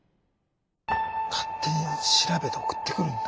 勝手に調べて送ってくるんだ。